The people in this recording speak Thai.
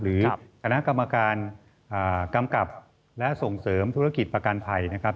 หรือคณะกรรมการกำกับและส่งเสริมธุรกิจประกันภัยนะครับ